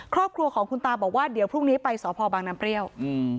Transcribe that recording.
ครอบครัวของคุณตาบอกว่าเดี๋ยวพรุ่งนี้ไปสพบางน้ำเปรี้ยว